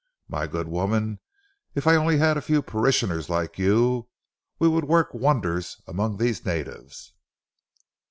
My good woman, if I only had a few parishioners like you, we would work wonders among these natives."